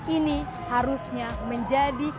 ini harusnya menjadi